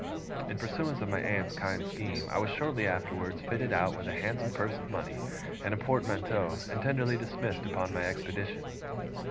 In pursuance of my aunt's kind scheme, I was shortly afterwards fitted out with a handsome purse of money, and a portmanteau, and tenderly dismissed upon my expedition.